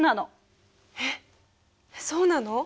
えっそうなの？